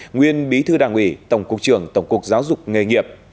nguyên bí thư đảng ủy tổng cục trưởng tổng cục giáo dục nghề nghiệp